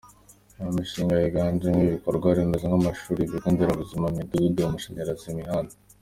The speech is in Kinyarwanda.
Iyo mishinga yiganjemo iy’ibikorwa remezo nk’amashuri, ibigo nderabuzima, imidugudu, amashanyarazi, imihanda;”.